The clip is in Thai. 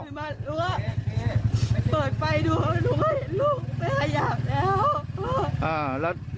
ตื่นมาหนูก็เปิดไปดูหนูก็เห็นลูกไม่ขยับแล้ว